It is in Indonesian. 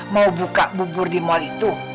mau buka bubur di mal itu